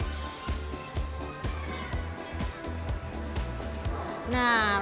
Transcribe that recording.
lontong bala pak gendut ini cukup legendaris